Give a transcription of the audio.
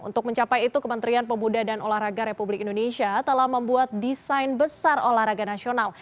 untuk mencapai itu kementerian pemuda dan olahraga republik indonesia telah membuat desain besar olahraga nasional